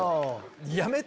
やめて！